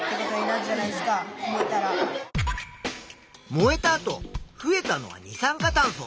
燃えた後増えたのは二酸化炭素。